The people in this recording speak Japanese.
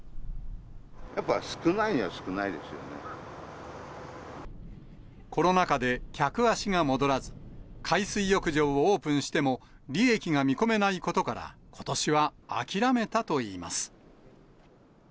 やっぱ少ないは少ないですよコロナ禍で客足が戻らず、海水浴場をオープンしても利益が見込めないことから、ことしは諦めたといいます。